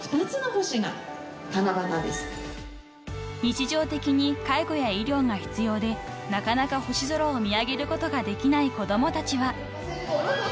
［日常的に介護や医療が必要でなかなか星空を見上げることができない子供たちは］